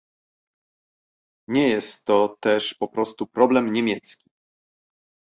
Nie jest to też po prostu problem niemiecki